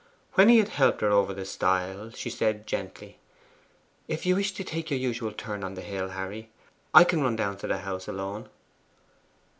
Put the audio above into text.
When he had helped her over the stile, she said gently, 'If you wish to take your usual turn on the hill, Harry, I can run down to the house alone.